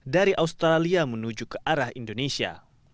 dari australia menuju ke arah indonesia